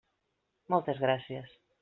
Moltes gràcies.